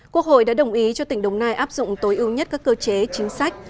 quốc hội đã đồng ý cho tỉnh đồng nai áp dụng tối ưu nhất các cơ chế chính sách